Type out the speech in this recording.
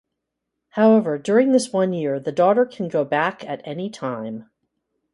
However, during this one year the daughter can go back at any time.